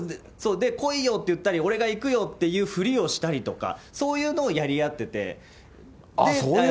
で、来いよって言ったり、俺が行くよというふりをしたりとか、そういうのをやり合ってて。